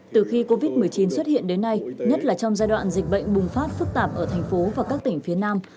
từ khi covid một mươi chín xuất hiện đến nay nhất là trong giai đoạn dịch bệnh bùng phát phức tạp ở thành phố và các tỉnh phía nam